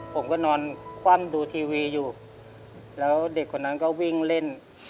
ผมก็นอนคว่ำดูทีวีอยู่แล้วเด็กคนนั้นก็วิ่งเล่น